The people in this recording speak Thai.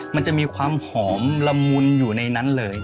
มันจะมีความหอมละมุนอยู่ในนั้นเลย